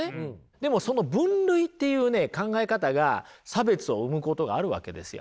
でもその分類っていうね考え方が差別を生むことがあるわけですよ。